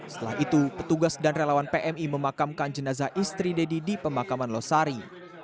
setelah itu petugas dan relawan pmi memakamkan jenazah istri deddy di pemakaman losari